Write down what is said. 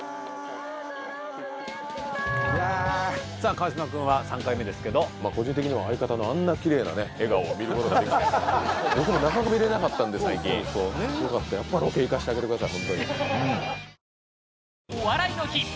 川島君は３回目ですけどまあ個人的には相方のあんなきれいなね笑顔を見ることができて僕もなかなか見れなかったんで最近良かったやっぱりロケ行かせてあげてください